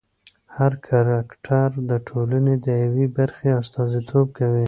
هر کرکټر د ټولنې د یوې برخې استازیتوب کوي.